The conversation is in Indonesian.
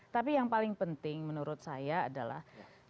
tapi yang paling penting menurut saya adalah